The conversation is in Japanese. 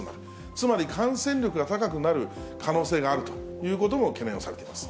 つまり、感染力が高くなる可能性があるということも懸念をされています。